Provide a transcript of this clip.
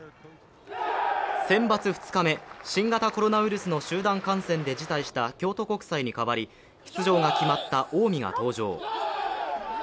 センバツ２日目、新型コロナウイルスの集団感染で辞退した京都国際に代わり出場が決まった近江が登場。